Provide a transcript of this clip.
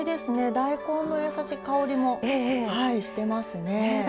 大根のやさしい香りもしてますね。